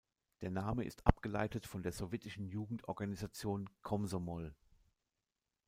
Der Name ist abgeleitet von der sowjetischen Jugendorganisation Komsomol.